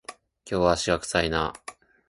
今日は足が臭いな